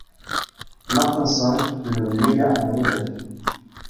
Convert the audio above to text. Martin V le nomme légat en Hongrie.